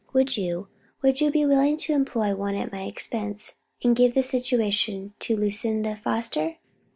Would you would you be willing to employ one at my expense, and give the situation to Lucinda Foster?"